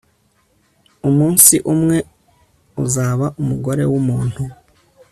umunsi umwe uzaba umugore wumuntu